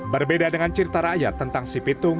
berbeda dengan cerita rakyat tentang si pitung